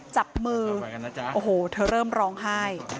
จับมือกันนะจ๊ะโอ้โหเธอเริ่มร้องไห้